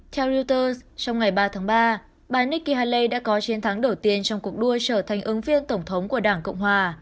theo reuters trong ngày ba tháng ba bà nikki haley đã có chiến thắng đầu tiên trong cuộc đua trở thành ứng viên tổng thống của đảng cộng hòa